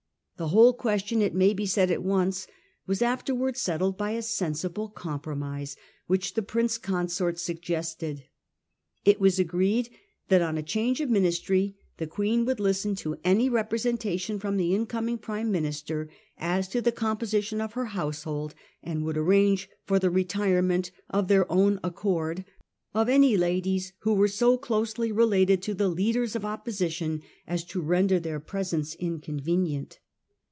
The whole question, it may be said at once, was afterwards settled by a sensible compromise which the Prince Consort suggested. It was agreed that on a change of Ministry the Queen would listen to any representation from the incoming Prime Minister as to the composition of her household, and would arrange for the retire ment * of their own accord ' of any ladies who were so closely related to the leaders of Opposition as to render their presence inconvenient.